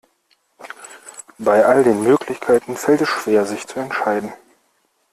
Bei all den Möglichkeiten fällt es schwer, sich zu entscheiden.